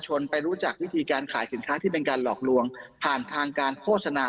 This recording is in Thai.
ไปรู้จักวิธีการขายสินค้าที่เป็นการหลอกลวงผ่านทางการโฆษณา